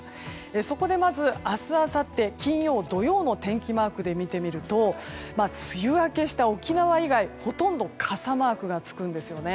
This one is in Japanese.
そこでまず明日あさって金曜、土曜の天気マークで見てみると梅雨明けした沖縄以外ほとんど傘マークがつくんです。